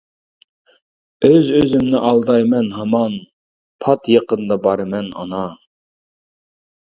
ئۆز-ئۆزۈمنى ئالدايمەن ھامان، پات يېقىندا بارىمەن ئانا.